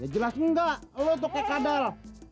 jelas enggak lo tuh kayak kadal